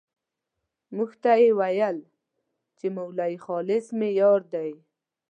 موږ ته یې ويل چې مولوي خالص مې يار دی.